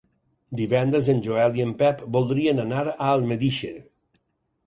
Divendres en Joel i en Pep voldrien anar a Almedíxer.